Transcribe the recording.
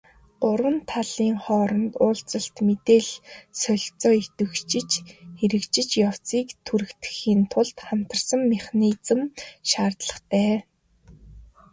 Гурван талын хооронд уулзалт, мэдээлэл солилцоо идэвхжиж, хэрэгжих явцыг түргэтгэхийн тулд хамтарсан механизм шаардлагатай.